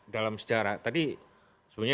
dalam sejarah tadi sebenarnya